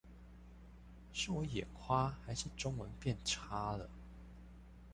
是我眼花還是中文變差了？